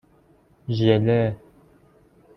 ژله